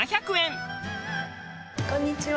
こんにちは。